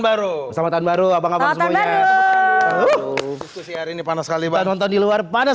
baru selamat tahun baru abang abang semuanya lalu baru ini panas kali banget di luar panas